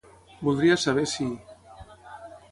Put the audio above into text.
Voldria saber si